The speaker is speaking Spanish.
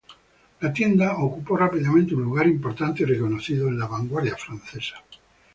La tienda ocupó rápidamente un lugar importante y reconocido en la vanguardia francesa.